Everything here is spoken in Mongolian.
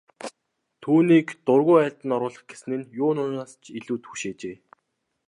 Түүнийг дургүй айлд нь оруулах гэсэн нь юу юунаас ч илүү түгшээжээ.